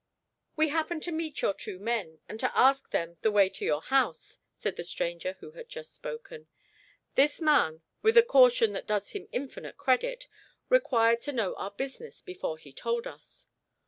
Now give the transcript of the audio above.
"We happened to meet your two men, and to ask them the way to your house," said the stranger who had just spoken. "This man, with a caution that does him infinite credit, required to know our business before he told us.